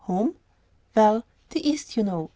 "Home?" "Well; the East, you know.